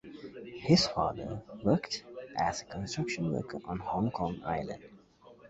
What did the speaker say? His father worked as a construction worker on Hong Kong Island.